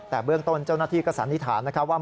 แต่เบื้องต้นเจ้าหน้าที่ก็สันนิษฐานนะครับว่า